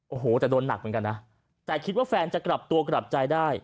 โอ้โหแต่โดนหนักเหมือนกันนะแต่คิดว่าแฟนจะกลับตัวกลับใจได้